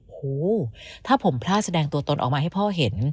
โหถ้าผมพลาดแสดงตัวตนออกมาให้พ่อเห็น